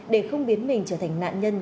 để không biến mình trở thành nạn nhân